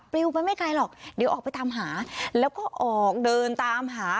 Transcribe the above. ลิวไปไม่ไกลหรอกเดี๋ยวออกไปตามหาแล้วก็ออกเดินตามหา